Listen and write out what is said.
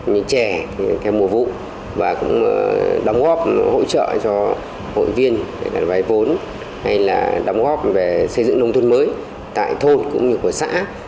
những trẻ theo mùa vũ và cũng đóng góp hỗ trợ cho hội viên về vái vốn hay là đóng góp về xây dựng nông thuận mới tại thôn cũng như của xã